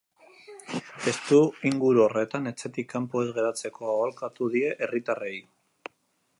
Testuinguru horretan, etxetik kanpo ez geratzeko aholkatu die herritarrei.